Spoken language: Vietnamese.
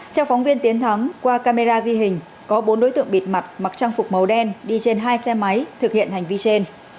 theo phóng viên tiến thắng qua camera ghi hình có bốn đối tượng bịt mặt mặc trang phục màu đen đi trên hai xe máy thực hiện hành vi trên